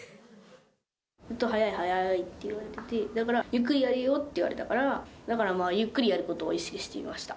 ずっと早い早いって言われてて、だから、ゆっくりやれよって言われたから、だからゆっくりやることを意識していました。